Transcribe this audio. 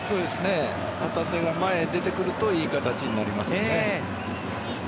旗手が前に出てくるといい形になりますよね。